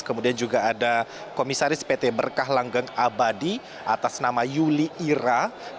kemudian juga ada komisaris pt berkah langgeng abadi atas nama yuli ira